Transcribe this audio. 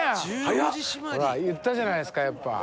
ほら言ったじゃないですかやっぱ。